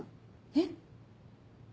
えっ？